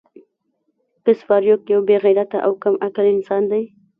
ګس فارویک یو بې غیرته او کم عقل انسان دی